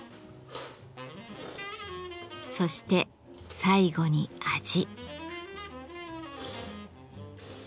そして最後に味。